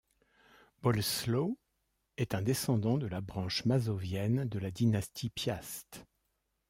Boleslaw est un descendant de la branche mazovienne de la dynastie Piast.